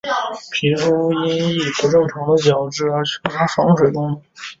皮肤亦因不正常的角质而缺乏防水功能。